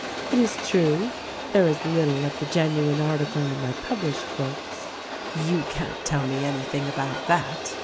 It is true, there is little of the genuine article in my published works. You can't tell me anything about that.